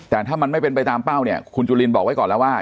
แต่ถ้ามันไม่เป็นไปตามเป้าเนี่ยคุณจุลินบอกไว้ก่อนแล้วว่า